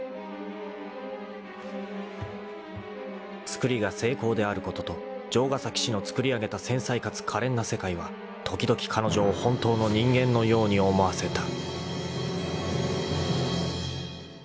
［作りが精巧であることと城ヶ崎氏のつくりあげた繊細かつかれんな世界は時々彼女を本当の人間のように思わせた］